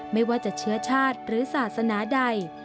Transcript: ไม่ว่าจะเชื้อชาติหรือศาสนาใด